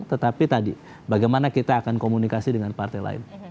tetapi tadi bagaimana kita akan komunikasi dengan partai lain